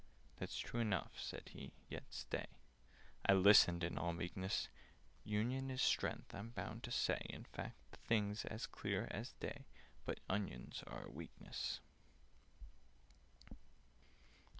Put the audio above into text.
"That's true enough," said he, "yet stay—" I listened in all meekness— "Union is strength, I'm bound to say; In fact, the thing's as clear as day; But onions are a weakness."